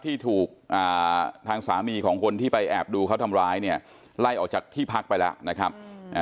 ที่ถูกทางสามีของคนที่ไปแอบดูเขาทำร้ายเนี่ยไล่ออกจากที่พักไปแล้วนะครับ